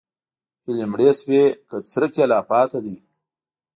هیلې مړې شوي که څرک یې لا پاتې دی؟